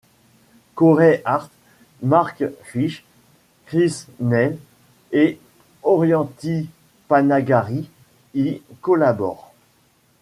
Corey Hart, Mark Feist, Chris Neil et Orianthi Panagaris y collaborent.